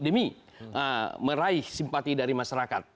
demi meraih simpati dari masyarakat